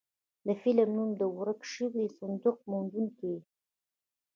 د فلم نوم و د ورک شوي صندوق موندونکي.